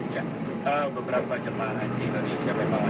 dikirimkan oleh jemaah haji dan diberikan penerbangan di makkah dan madinah